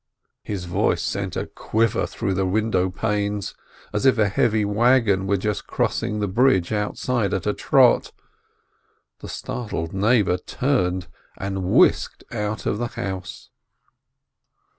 His voice sent a quiver through the window panes, as if a heavy wagon were just crossing the bridge outside at a trot, the startled neighbor turned, and whisked out of the house.